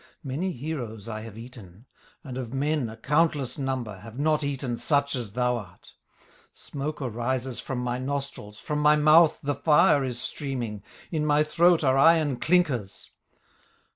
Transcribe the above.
Many heroes I have eaten, And of men a countless number, Have not eaten such as thou art; Smoke arises from my nostrils, From my mouth the fire is streaming, In my throat are iron clinkers.